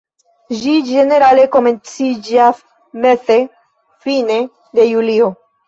Ĝi ĝenerale komenciĝas meze-fine de julio.